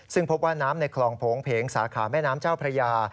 ซึ่งพบว่าน้ำในคลองโผงเพงสาขาแม่น้ำเจ้าพระยา